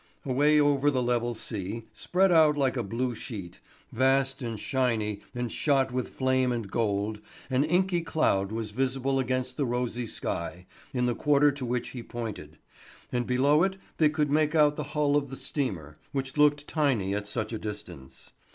Away over the level sea, spread out like a blue sheet, vast and sheeny and shot with flame and gold, an inky cloud was visible against the rosy sky in the quarter to which he pointed, and below it they could make out the hull of the steamer, which looked tiny at such a distance.